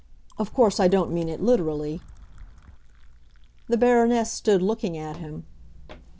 Of course, I don't mean it literally." The Baroness stood looking at him.